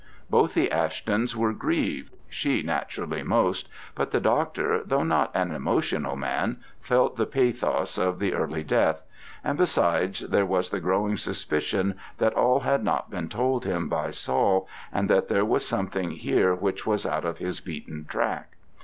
Both the Ashtons were grieved, she naturally most; but the doctor, though not an emotional man, felt the pathos of the early death: and, besides, there was the growing suspicion that all had not been told him by Saul, and that there was something here which was out of his beaten track.